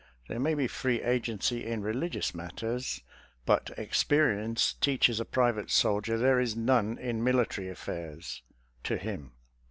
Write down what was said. There may be free agency in religious matters, but ex perience teaches a private soldier there is none in military affairs — to him.